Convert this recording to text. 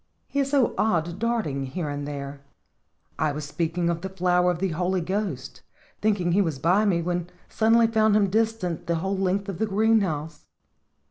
He is so odd darting here and there. I was speaking of the flower of the Holy Ghost, thinking he was by me, but sud denly found him distant the whole length of the greenhouse.